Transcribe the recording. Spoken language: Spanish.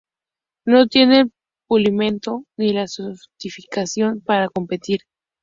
No tiene el pulimento ni la sofisticación para competir".